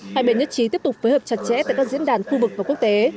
hai bên nhất trí tiếp tục phối hợp chặt chẽ tại các diễn đàn khu vực và quốc tế